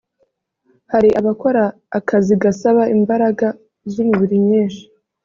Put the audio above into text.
hari abakora akazi gasaba imbaraga z’umubiri nyinshi